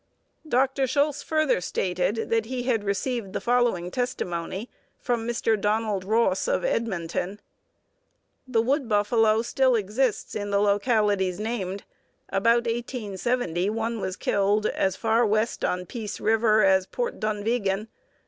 "Dr. Schulz further stated that he had received the following testimony from Mr. Donald Ross, of Edmonton: The wood buffalo still exists in the localities named. About 1870 one was killed as far west on Peace River as Port Dunvegan.